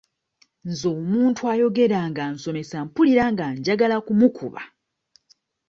Nze omuntu ayogera nga nsomesa mpulira nga njagala kumukuba.